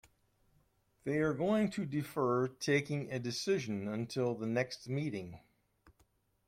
They are going to defer taking a decision until the next meeting.